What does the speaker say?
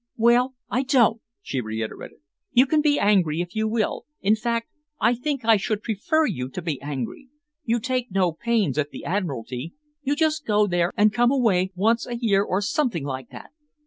"Well, I don't," she reiterated. "You can be angry, if you will in fact I think I should prefer you to be angry. You take no pains at the Admiralty. You just go there and come away again, once a year or something like that.